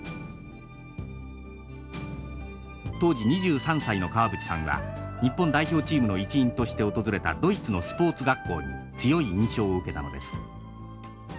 当時２３歳の川淵さんは日本代表チームの一員として訪れたドイツのスポーツ学校に強い印象を受けたのです。